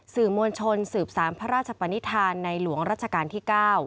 สื่อมวลชนสืบสารพระราชปนิษฐานในหลวงรัชกาลที่๙